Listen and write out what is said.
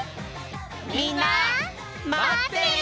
みんなまってるよ！